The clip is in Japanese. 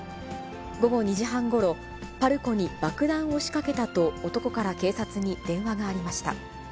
午後２時半ごろ、パルコに爆弾を仕掛けたと、男から警察に電話がありました。